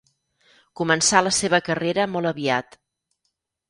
Començà la seva carrera molt aviat.